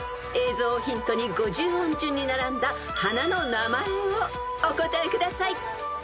［映像をヒントに５０音順に並んだ花の名前をお答えください］